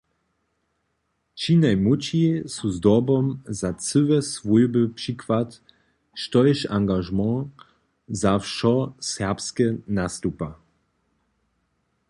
Ći najmłódši su zdobom za cyłe swójby přikład, štož angažement za wšo serbske nastupa.